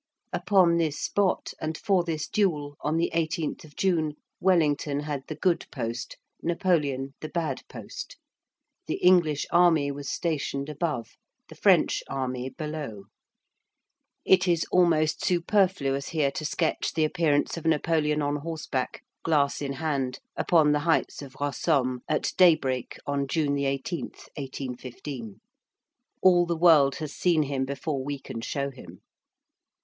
Upon this spot, and for this duel, on the 18th of June, Wellington had the good post, Napoleon the bad post. The English army was stationed above, the French army below. It is almost superfluous here to sketch the appearance of Napoleon on horseback, glass in hand, upon the heights of Rossomme, at daybreak, on June 18, 1815. All the world has seen him before we can show him.